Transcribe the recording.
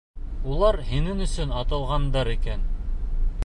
Улар һинең өсөн атылғандар икән.